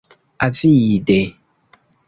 Avide.